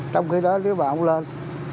trong khi đó nếu mà ông lên